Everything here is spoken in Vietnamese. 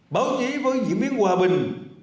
báo chí với diễn biến hòa bình